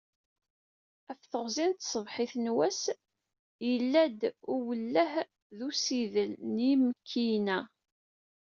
Ɣef teɣzi n tsebḥit n wass, yella-d uwelleh d usileɣ n yimekkiyen-a.